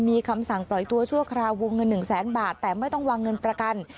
มีคำสั่งปล่อยตัวชั่วคราววงเงิน๑แสนบาทแต่ไม่ต้องวางเงินประกัน